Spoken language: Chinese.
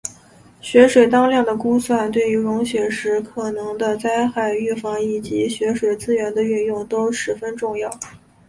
雪水当量的估算对于融雪时可能的灾害预防以及雪水资源的运用都十分重要。